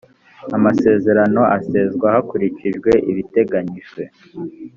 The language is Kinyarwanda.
amasezerano aseswa hakurikijwe ibiteganyijwe .